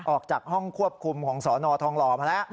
ออกจากห้องควบคุมของสนทองหล่อมาแล้ว